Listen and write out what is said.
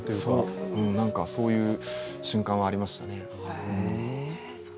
そういう瞬間はありましたね。